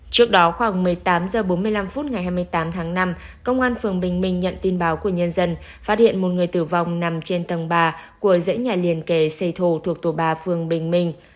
trước đó khoảng một mươi tám h bốn mươi năm phút ngày hai mươi tám tháng năm công an phường bình minh nhận tin báo của nhân dân phát hiện một người tử vong nằm trên tầng ba của dãy nhà liền kề xây thù thuộc tổ ba phường bình minh